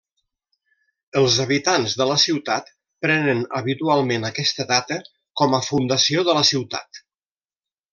Els habitants de la ciutat prenen habitualment aquesta data com a fundació de la ciutat.